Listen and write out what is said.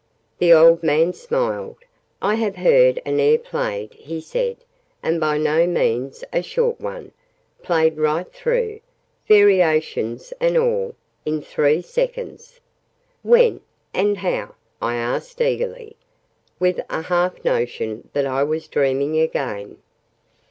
The old man smiled. "I have heard an 'air played," he said, "and by no means a short one played right through, variations and all, in three seconds!" "When? And how?" I asked eagerly, with a half notion that I was dreaming again.